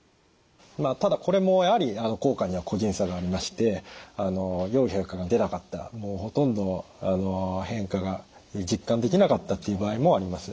ただこれもやはり効果には個人差がありましてよい変化が出なかったほとんど変化が実感できなかったという場合もあります。